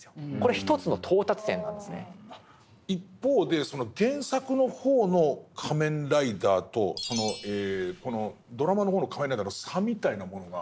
一方でその原作の方の「仮面ライダー」とドラマの方の「仮面ライダー」の差みたいなものは。